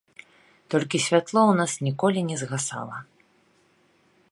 Толькі святло ў нас ніколі не згасала.